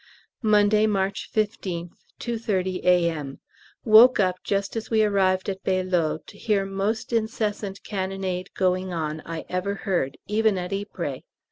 Monday, March 15th, 2.30 A.M. Woke up just as we arrived at Bailleul to hear most incessant cannonade going on I ever heard, even at Ypres.